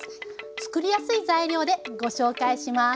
つくりやすい材料でご紹介します。